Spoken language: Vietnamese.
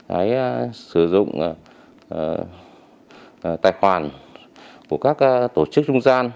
cái sử dụng tài khoản của các tổ chức trung gian